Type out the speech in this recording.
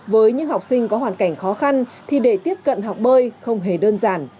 với những học sinh có hoàn cảnh khó khăn thì để tiếp cận học bơi không hề đơn giản